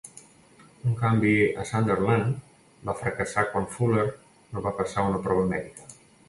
Un canvi a Sunderland va fracassar quan Fuller no va passar una prova mèdica.